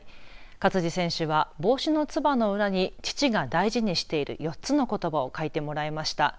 勝児選手は帽子のつばの裏に父が大事にしている４つのことばを書いてもらいました。